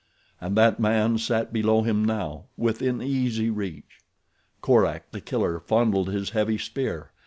And that man sat below him now, within easy reach. Korak, The Killer, fondled his heavy spear.